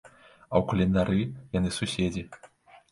А ў календары яны суседзі.